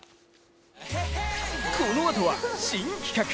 このあとは新企画。